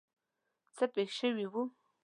څه پېښ شوي وو.